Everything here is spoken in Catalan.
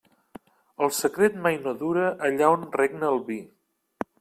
El secret mai no dura allà on regna el vi.